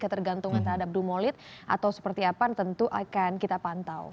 ketergantungan terhadap dumolit atau seperti apa tentu akan kita pantau